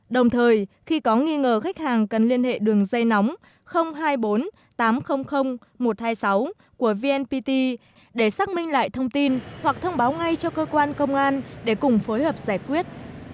đồng thời khi có nghi ngờ khách hàng cần liên hệ đường dây nóng hai mươi bốn tám trăm linh một trăm hai mươi sáu của vnpt để xác minh lại thông tin hoặc thông báo ngay cho cơ quan công an để cùng phối hợp giải quyết